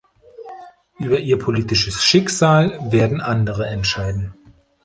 Über Ihr politisches Schicksal werden andere entscheiden.